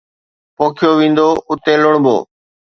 پوکيو ويندو، اتي لڻبو.